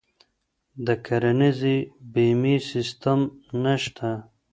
د کرنیزې بیمې سیستم نشته.